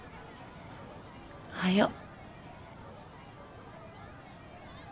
おはよう。